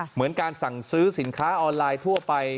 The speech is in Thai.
เหมือนการสั่งซื้อสินค้าออนไลน์ทั่วไป